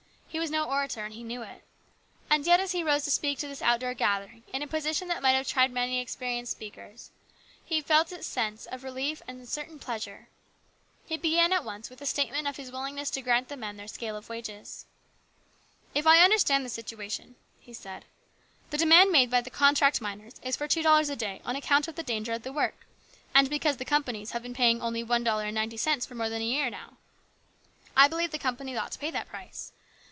He was no orator, and he knew it. And yet as he rose to speak to this outdoor gathering in a position that might have tried many experienced speakers, he felt a sense of relief and a certain pleasure. He began at once with a statement of his willing ness to grant the men their scale of wages. " If I understand the situation," he said, " the demand made by the contract miners is for two dollars a day on account of the danger of the work, and because the companies have been paying only one dollar and ninety cents for more than a year now. I believe the companies ought to pay that price.